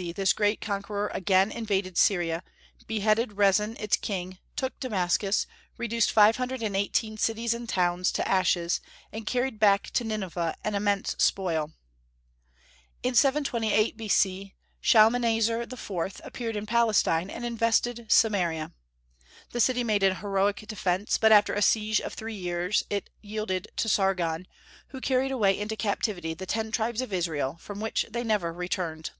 C. this great conqueror again invaded Syria, beheaded Rezin its king, took Damascus, reduced five hundred and eighteen cities and towns to ashes, and carried back to Nineveh an immense spoil. In 728 B.C. Shalmanezer IV. appeared in Palestine, and invested Samaria. The city made an heroic defence; but after a siege of three years it yielded to Sargon, who carried away into captivity the ten tribes of Israel, from which they never returned.